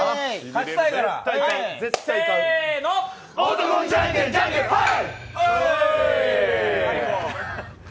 男気じゃんけん、じゃんけんぽい。